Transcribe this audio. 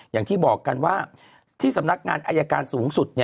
อย่างที่บอกกันว่าที่สำนักงานอายการสูงสุด